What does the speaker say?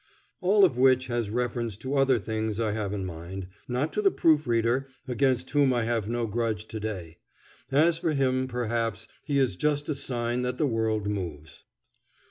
All of which has reference to other things I have in mind, not to the proof reader, against whom I have no grudge to day. As for him, perhaps, he is just a sign that the world moves.